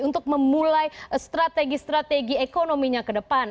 untuk memulai strategi strategi ekonominya ke depan